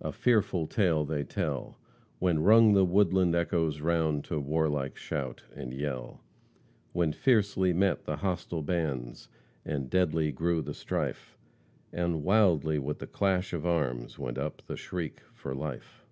A fearful tale they tell, When rung the woodland echoes round To warlike shout and yell, When fiercely met the hostile bands, And deadly grew the strife, And wildly, with the clash of arms, Went up the shriek for life."